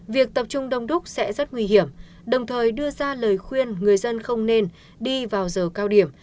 việc tập trung đông đúc sẽ rất nguy hiểm đồng thời đưa ra lời khuyên người dân không nên đi vào giờ cao điểm